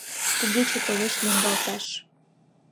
Кугече толеш лӱҥгалташ.